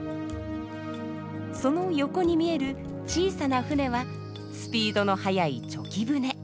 その横に見える小さな船はスピードの速い猪牙舟。